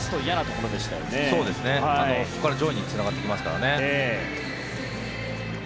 ここから上位につながってきますからね。